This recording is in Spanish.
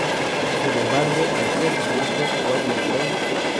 Sin embargo, al día siguiente, Warner Bros.